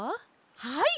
はい！